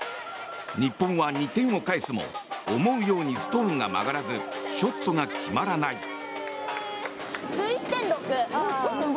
日本は２点を返すも思うようにストーンが曲がらずショットが決まらない。